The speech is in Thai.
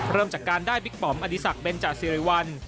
เริ่มจากการได้บิ๊กปอมอดีศักดิเบนจาสิริวัล